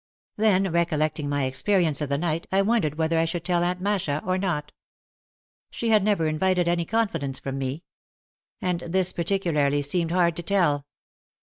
Then recollecting my experience of the night I wondered whether I should tell Aunt Masha or not. She had never invited any confidence from me. And this particularly seemed hard to tell.